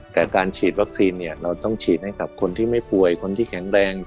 แต่การฉีดวัคซีนเนี่ยเราต้องฉีดให้กับคนที่ไม่ป่วยคนที่แข็งแรง